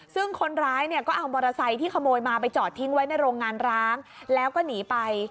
ซึ่งคนร้ายเนี่ยก็เอามอเตอร์ไซค์ที่ขโมยมาไปจอดทิ้งไว้ในโรงงานร้างแล้วก็หนีไป